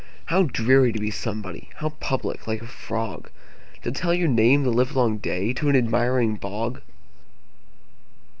How dreary to be somebody! How public, like a frogTo tell your name the livelong dayTo an admiring bog!